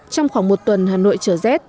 trong khoảng một tuần hà nội chở z